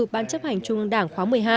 ban chấp hành trung ương đảng khóa một mươi hai